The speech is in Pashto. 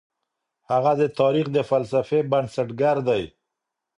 هغه د تاريخ د فلسفې بنسټګر دی.